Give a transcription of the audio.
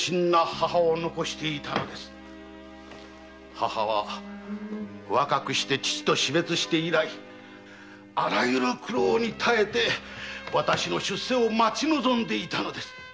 母は若くして父と死別して以来あらゆる苦労に耐え私の出世を待ち望んでいたのです。